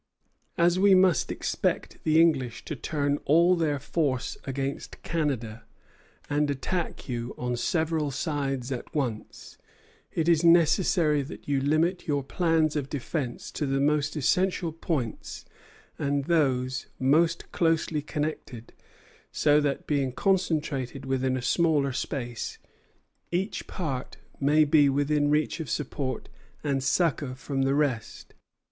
"As we must expect the English to turn all their force against Canada, and attack you on several sides at once, it is necessary that you limit your plans of defence to the most essential points and those most closely connected, so that, being concentrated within a smaller space, each part may be within reach of support and succor from the rest.